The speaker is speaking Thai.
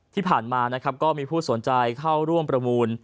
ที่ผ่านมานะครับก็มีผู้สนใจเข้าร่วมประมูล